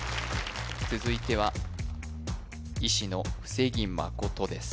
続いては医師の布施木誠です